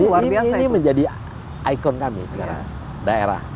itu luar biasa itu ini menjadi ikon kami sekarang daerah